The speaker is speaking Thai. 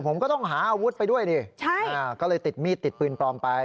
ผมก็ต้องหาอาวุธไปด้วยดิใช่ก็เลยติดมีดติดปืนปลอมไป